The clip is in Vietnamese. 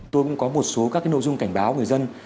tôi cũng có một số các nội dung cảnh báo người dân